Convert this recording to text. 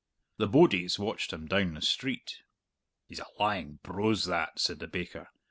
The bodies watched him down the street. "He's a lying brose, that," said the baker.